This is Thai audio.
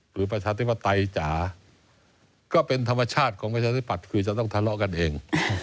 ประชาธิปไตยจ๋าก็เป็นธรรมชาติของประชาธิปัตย์คือจะต้องทะเลาะกันเอง